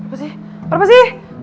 apa si apa si